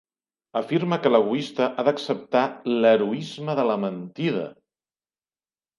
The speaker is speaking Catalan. Afirma que l'egoista ha d'acceptar "l"heroisme de la mentida".